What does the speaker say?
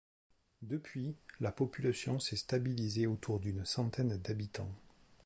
Depuis, la population s’est stabilisée autour d’une centaine d’habitants.